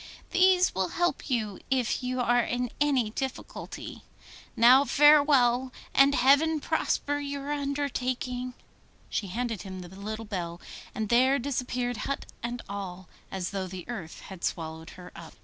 These will help you if you are in any difficulty. Now farewell, and heaven prosper your undertaking.' She handed him the little bell, and there disappeared hut and all, as though the earth had swallowed her up.